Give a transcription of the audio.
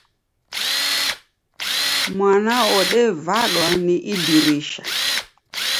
Mwana wodevadwa ni idirisha